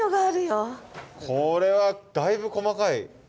これはだいぶ細かい。